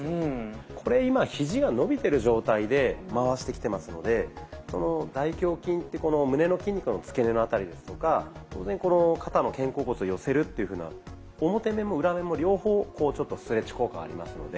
これ今ひじが伸びてる状態で回してきてますので大胸筋ってこの胸の筋肉のつけ根のあたりですとか当然この肩の肩甲骨を寄せるっていうふうな表面も裏面も両方ストレッチ効果がありますので。